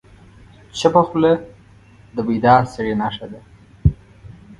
چپه خوله، د بیدار سړي نښه ده.